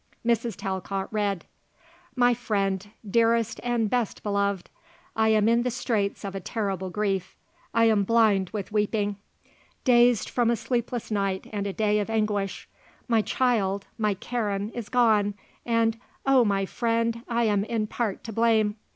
Mrs. Talcott read: "My Friend Dearest and best Beloved, I am in the straits of a terrible grief. I am blind with weeping, dazed from a sleepless night and a day of anguish. My child, my Karen, is gone and, oh my friend, I am in part to blame.